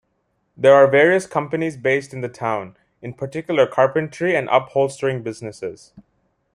There are various companies based in the town, in particular carpentry and upholstering businesses.